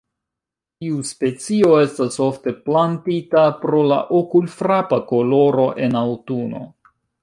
Tiu specio estas ofte plantita pro la okulfrapa koloro en aŭtuno.